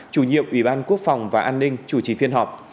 chủ nhiệm ủy ban quốc phòng và an ninh chủ trì phiên họp